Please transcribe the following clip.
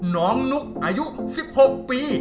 น้องนุ๊กอายุ๑๖ปี